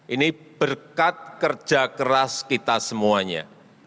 ini berkat kerja keras kita semuanya